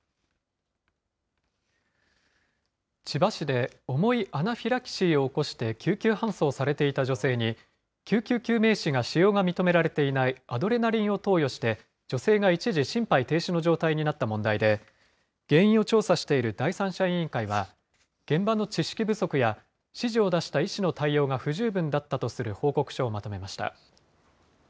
千葉市で重いアナフィラキシーを起こして救急搬送されていた女性に、救急救命士が使用が認められていないアドレナリンを投与して女性が一時、心肺停止の状態になった問題で、原因を調査している第三者委員会は、現場の知識不足や、指示を出した医師の対応が不十分だったとする報告書をまとめました。